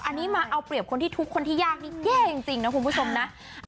อันนี้มาเอาเปรียบคนที่ทุกคนที่ยากนี่แย่จริงนะคุณผู้ชมนะ